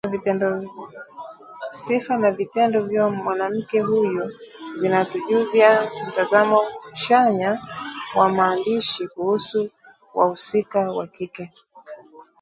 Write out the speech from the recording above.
Sifa na vitendo vyo mwanamke huyu vinatujuvya mtazamo chanya wa mwandishi kuhusu wahusika wa kike